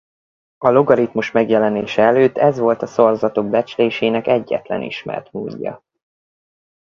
A logaritmus megjelenése előtt ez volt a szorzatok becslésének egyetlen ismert módja.